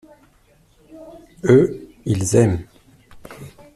Eux, ils aiment.